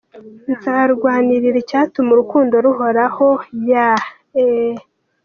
Nzarwanirira icyatuma urukundo ruhoraho yeah eh.